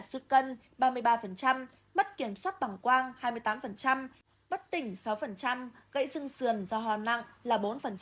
suốt cân ba mươi ba bất kiểm soát bằng quang hai mươi tám bất tỉnh sáu gậy dưng sườn do hoa nặng là bốn